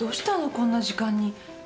こんな時間に。